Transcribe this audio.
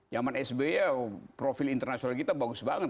jaman sbi ya profil internasional kita bagus banget